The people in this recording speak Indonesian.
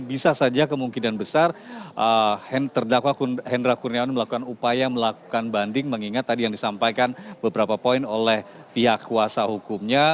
bisa saja kemungkinan besar terdakwa hendra kurniawan melakukan upaya melakukan banding mengingat tadi yang disampaikan beberapa poin oleh pihak kuasa hukumnya